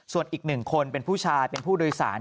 ส่วนอีก๑คนเป็นผู้ชายเป็นผู้โดยสาร